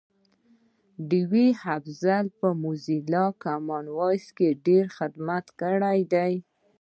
ډیوه افضل په موزیلا کامن وایس کی ډېر خدمت کړی دی